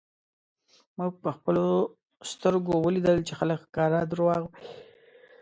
مونږ په خپلو سترږو ولیدل چی خلک ښکاره درواغ وایی